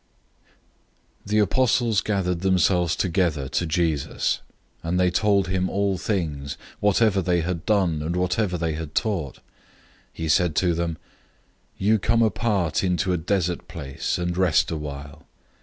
006:030 The apostles gathered themselves together to Jesus, and they told him all things, whatever they had done, and whatever they had taught. 006:031 He said to them, "You come apart into a deserted place, and rest awhile."